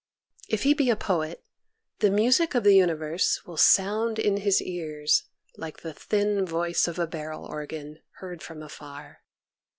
If he be a poet the music of the universe will sound in his ears like the thin voice of a barrel organ, heard from afar.